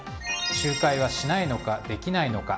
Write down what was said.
仲介はしないのかできないのか。